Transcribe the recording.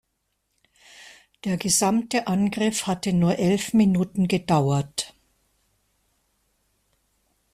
Der gesamte Angriff hatte nur elf Minuten gedauert.